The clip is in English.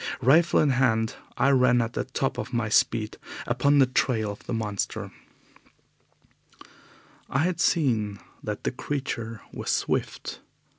Rifle in hand, I ran at the top of my speed upon the trail of the monster. I had seen that the creature was swift.